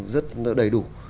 rất đầy đủ